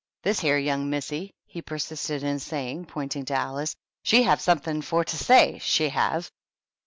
" This here young missy," he persisted in say ing, pointing to Alice, "she have something for to say, she have."